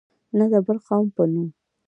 نه د بل قوم په نوم.